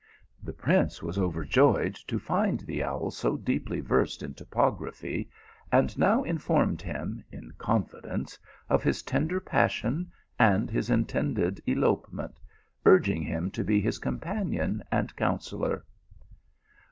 The prince was overjoyed to find the owl so deep ly versed in topography, and now informed him, in confidence, of his tender passion and his intended elopement, urging him to be his companion and counsellor.